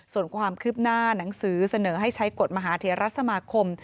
ส่วนความคืบหน้าหนังสือเสนอให้ใช้กฎมหาเทรสมาคม